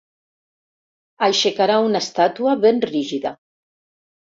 Aixecarà una estàtua ben rígida.